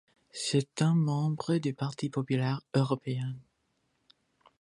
C’est un membre du Parti populaire européen.